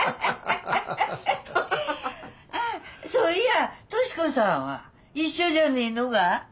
ああそういや十志子さんは一緒じゃねえのが？